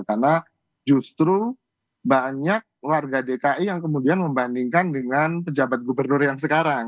karena justru banyak warga dki yang kemudian membandingkan dengan pejabat gubernur yang sekarang